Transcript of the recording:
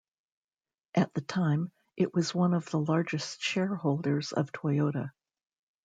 At the time, it was one of the largest shareholders of Toyota.